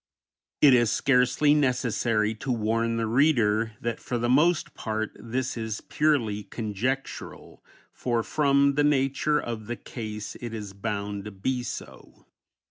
It is scarcely necessary to warn the reader that for the most part this is purely conjectural, for from the nature of the case it is bound to be so.